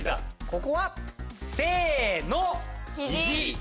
ここは？せの！